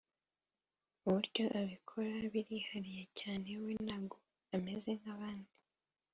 ubuuryo abikora birihariye cyane we ntago ameze nkabandi